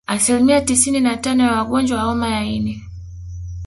Asilimia tisini na tano ya wagonjwa wa homa ya ini